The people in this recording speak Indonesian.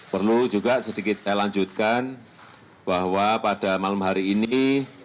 perlu juga sedikit saya lanjutkan bahwa pada malam hari ini